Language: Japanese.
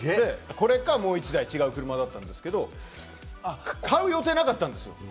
これがもう１台違う車か、だったんですけれども、買う予定なかったんです。